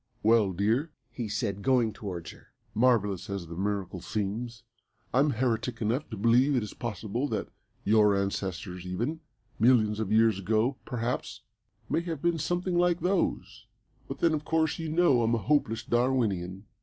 "Well, dear," he said, going towards her, "marvellous as the miracle seems, I'm heretic enough to believe it possible that your ancestors even, millions of years ago, perhaps, may have been something like those; but then, of course, you know I'm a hopeless Darwinian."